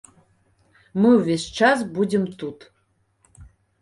Мы ўвесь час будзем тут.